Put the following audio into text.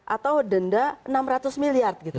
atau denda enam ratus miliar gitu